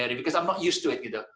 karena saya tidak selesai dengan itu